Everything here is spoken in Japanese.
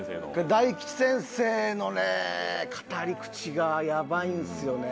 大吉先生のね語り口がやばいんすよね。